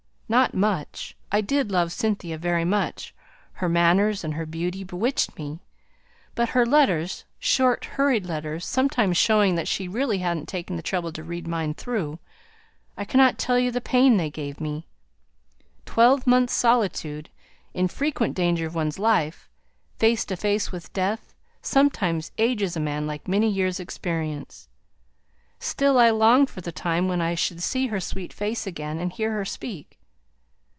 "Not much. I did love Cynthia very much. Her manners and her beauty bewitched me; but her letters, short, hurried letters, sometimes showing that she really hadn't taken the trouble to read mine through, I cannot tell you the pain they gave me! Twelve months' solitude, in frequent danger of one's life face to face with death sometimes ages a man like many years' experience. Still I longed for the time when I should see her sweet face again, and hear her speak.